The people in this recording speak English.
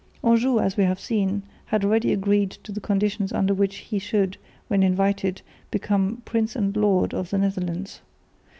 Anjou, as we have seen, had already agreed to the conditions under which he should, when invited, become "prince and lord" of the Netherlands.